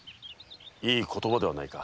いい言葉ではないか。